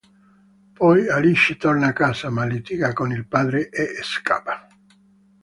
Poi Alice torna a casa, ma litiga con il padre e scappa.